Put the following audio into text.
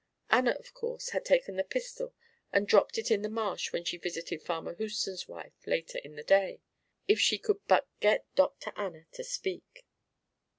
Anna, of course, had taken the pistol and dropped it in the marsh when she visited Farmer Houston's wife later in the day. If she could but get Dr. Anna to speak.